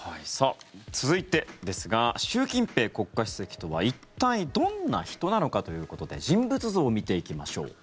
続いてですが習近平国家主席とは一体どんな人なのかということで人物像を見ていきましょう。